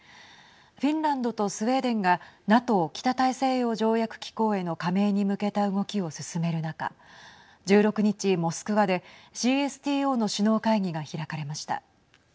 フィンランドとスウェーデンがＮＡＴＯ、北大西洋条約機構への加盟に向けた動きを進める中１６日、モスクワでＣＳＴＯの首脳会議が開かれました。